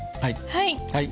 はい。